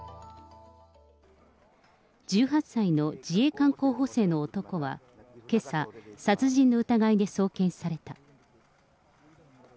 １８歳の自衛官候補生の男はけさ、殺人の疑いで送検された。